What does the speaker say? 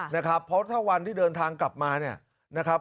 เพราะว่าเท่าวันที่เดินทางกลับมา